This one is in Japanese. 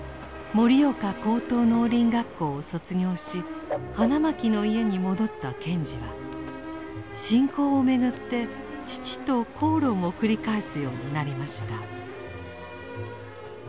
盛岡高等農林学校を卒業し花巻の家に戻った賢治は信仰をめぐって父と口論を繰り返すようになりました。